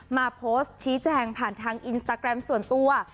มาโพสต์ชี้แจงผ่านทางอินสตาแกรมส่วนตัว